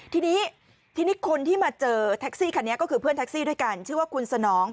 ทีนี้ทีนี้คนที่มาเจอแท็กซี่คันนี้ก็คือเพื่อนแท็กซี่ด้วยกันชื่อว่าคุณสนอง